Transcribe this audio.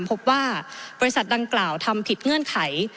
พบว่าบริษัทดังกล่าวทำผิดเงื่อนไข